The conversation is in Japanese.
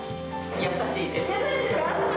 優しいです。